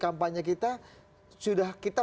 kampanye kita sudah kita